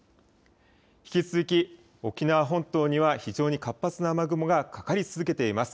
引き続き沖縄本島には非常に活発な雨雲がかかり続けています。